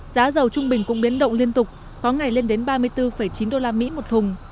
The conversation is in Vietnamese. giá dầu trung bình cũng biến động liên tục có ngày lên đến ba mươi bốn chín usd một thùng